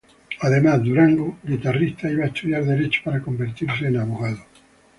Además, Durango, guitarrista, iba a estudiar derecho para convertirse en abogado.